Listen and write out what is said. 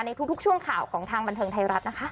ทุกช่วงข่าวของทางบันเทิงไทยรัฐนะคะ